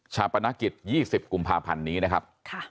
ปนกิจ๒๐กุมภาพันธ์นี้นะครับ